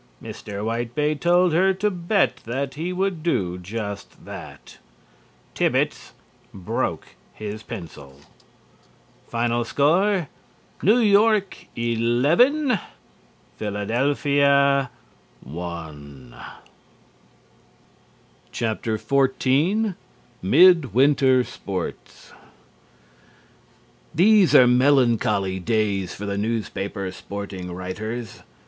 Mr. Whitebait told her to bet that he would do just that. Thibbets broke his pencil. Score: New York 11. Philadelphia 1. XIV MID WINTER SPORTS These are melancholy days for the newspaper sporting writers.